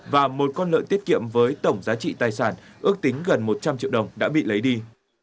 và một con lợn tiết kiệm với tổng giá trị tài sản ước tính gần một trăm linh triệu đồng đã bị lấy đi